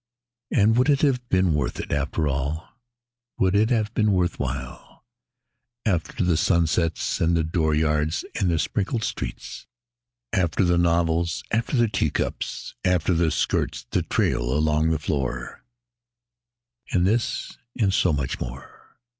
And would it have been worth it, after all, Would it have been worth while, After the sunsets and the dooryards and the sprinkled streets, After the novels, after the teacups, after the skirts that trail along the floor And this, and so much more?